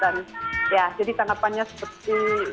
dan ya jadi tanggapannya seperti